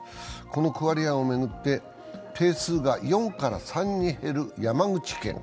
この区割り案を巡って、定数が４から３に減る山口県。